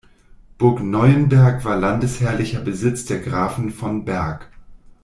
Burg Neuenberg war landesherrlicher Besitz der Grafen von Berg.